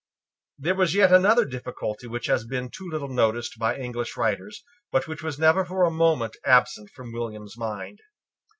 There was yet another difficulty which has been too little noticed by English writers, but which was never for a moment absent from William's mind.